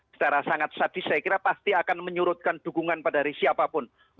secara sangat sadis saya kira pasti akan menyurutkan dukungan pada hari siapapun